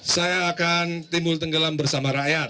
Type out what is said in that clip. saya akan timbul tenggelam bersama rakyat